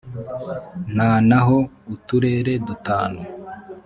na naho uturere dutanu